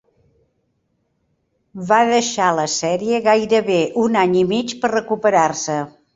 Va deixar la sèrie gairebé un any i mig per recuperar-se.